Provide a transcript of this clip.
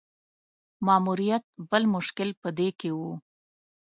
ماموریت بل مشکل په دې کې وو.